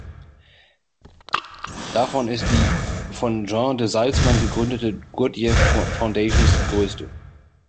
Davon ist die von Jeanne de Salzmann gegründeten "Gurdjieff-Foundations" die größte.